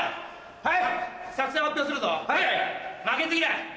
はい！